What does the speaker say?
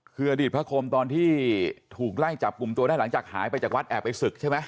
คืออดีตพระคมตอนที่ถูกไล่จับกลุ่มตัวได้หลังจากหายไปจากวัดแอบไปศึกใช่ไหม